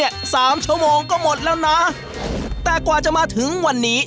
เขาก็เป็นคนดีแหละแต่เขาก็แค่เดินทางผิด